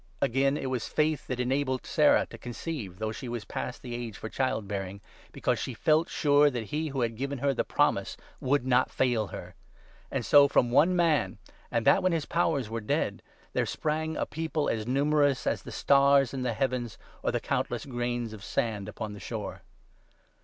Again, it was faith that enabled Sarah to conceive (though she was past the age for child bearing), because she felt sure that he who had given her the promise would not fail her. And so from one man — and that when his powers were dead — there sprang a people as numerous ' as the stars in the heavens or the countless grains of sand upon the shore.'